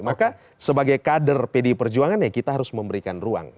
maka sebagai kader pdi perjuangan ya kita harus memberikan ruang